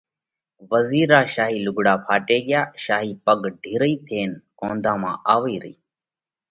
وزِير را شاهِي لُوگھڙا ڦاٽي ڳيا، شاهِي پاڳ ڍِرئِي ٿينَ ڪونڌا مانه آوئِي رئِي۔